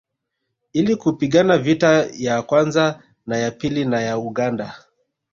Ili kupigana vita ya kwanza na ya pili na ya Uganda